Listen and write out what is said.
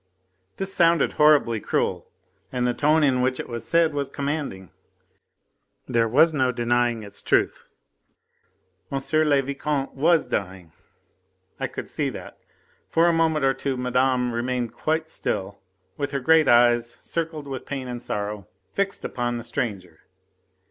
This sounded horribly cruel, and the tone in which it was said was commanding. There was no denying its truth. M. le Vicomte was dying. I could see that. For a moment or two madame remained quite still, with her great eyes, circled with pain and sorrow, fixed upon the stranger.